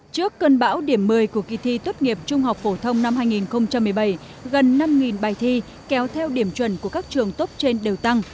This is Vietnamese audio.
trước cơn bão điểm một mươi của kỳ thi tốt nghiệp trung học phổ thông năm hai nghìn một mươi bảy gần năm bài thi kéo theo điểm chuẩn của các trường tốt trên đều tăng